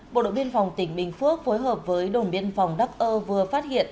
bộ đội biên phòng tỉnh bình phước phối hợp với đồn biên phòng đắc ơ vừa phát hiện